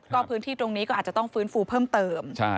ก็พื้นที่ตรงนี้ก็อาจจะต้องฟื้นฟูเพิ่มเติม